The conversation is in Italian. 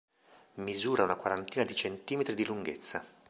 Misura una quarantina di cm di lunghezza.